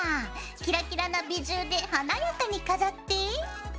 キラキラなビジューで華やかに飾って。